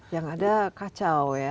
yang ada kacau ya